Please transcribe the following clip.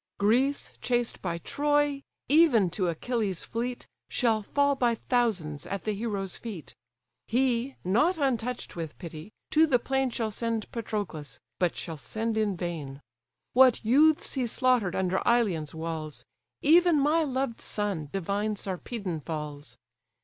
Greece chased by Troy, even to Achilles' fleet, Shall fall by thousands at the hero's feet. He, not untouch'd with pity, to the plain Shall send Patroclus, but shall send in vain. What youths he slaughters under Ilion's walls! Even my loved son, divine Sarpedon, falls!